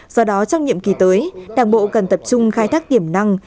do đó trong nhiệm kỳ tới đảng bộ cần tập trung khai thác tiềm năng